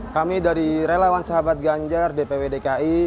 kami dari relawan sahabat ganjar dpw dki